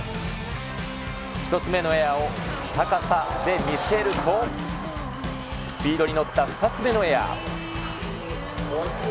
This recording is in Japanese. １つ目のエアを高さで見せると、スピードに乗った２つ目のエア。